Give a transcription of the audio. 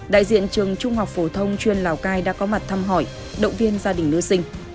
đại diện trường trung học phổ thông chuyên lào cai đã có mặt thăm hỏi động viên gia đình nữ sinh